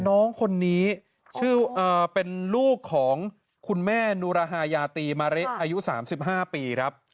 น้องคนนี้เป็นลูกของคุณแม่นุราฮายาตีมาริอายุ๓๕ปี